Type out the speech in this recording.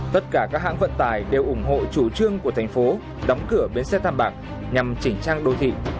tất cả các hãng vận tài đều ủng hộ chủ trương của thành phố đóng cửa bến xe tam bạc nhằm chỉnh trang đô thị